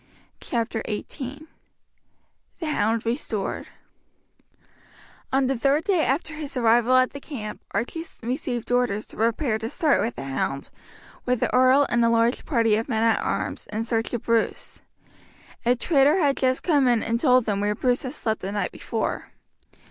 Chapter XVIII The Hound Restored On the third day after his arrival at the camp Archie received orders to prepare to start with the hound, with the earl and a large party of men at arms, in search of Bruce. A traitor had just come in and told them where Bruce had slept the night before.